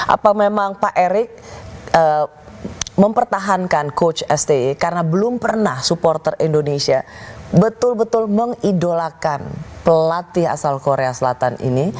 apa memang pak erick mempertahankan coach sti karena belum pernah supporter indonesia betul betul mengidolakan pelatih asal korea selatan ini